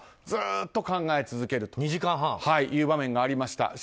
ずっと考え続けるという場面がありました。